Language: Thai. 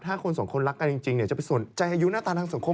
ถ้าคนสองคนรักกันจริงจะเป็นส่วนใจอายุหน้าตาทางสังคม